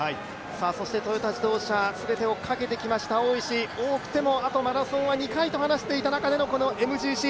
そしてトヨタ自動車、全てをかけてきました大石多くてもあとマラソンは２回と話していた中でのこのＭＧＣ、